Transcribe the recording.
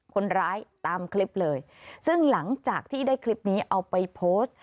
คนร้ายตามคลิปเลยซึ่งหลังจากที่ได้คลิปนี้เอาไปโพสต์